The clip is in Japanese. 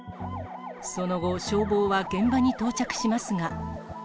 その後、消防は現場に到着しますが。